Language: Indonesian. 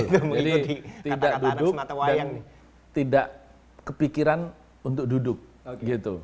memilih tidak duduk dan tidak kepikiran untuk duduk gitu